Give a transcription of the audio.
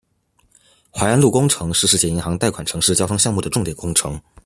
槐安路工程是世界银行贷款城市交通项目的重点工程。